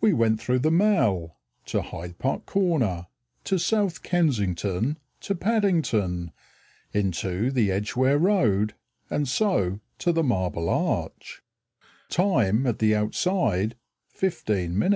We went through the Mall, to Hyde Park Corner, to South Kensington, to Paddington, Into the Edgware Road, and so to the Marble Arch; Time, at the outside, 15 min.